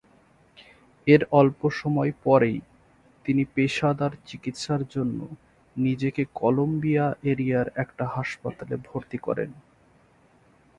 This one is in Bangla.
এর অল্পসময় পরেই, তিনি পেশাদার চিকিৎসার জন্য নিজেকে কলম্বিয়া-এয়ারিয়ার একটা হাসপাতালে ভর্তি করেন।